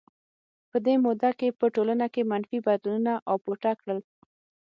په دې موده کې په ټولنه کې منفي بدلونونو اپوټه کړل.